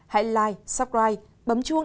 hãy like subscribe bấm chuông